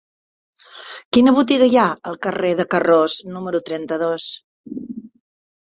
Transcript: Quina botiga hi ha al carrer de Carroç número trenta-dos?